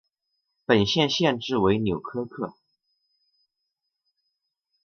本县县治为纽柯克。